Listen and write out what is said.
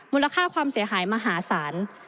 มูลค่าความเสียหายมหาศาล